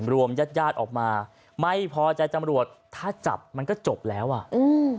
ญาติญาติออกมาไม่พอใจตำรวจถ้าจับมันก็จบแล้วอ่ะอืม